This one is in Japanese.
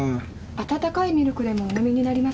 温かいミルクでもお飲みになりますか？